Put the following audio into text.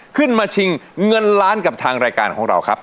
ขึ้นมาชิงเงินล้านกับทางรายการของเราครับ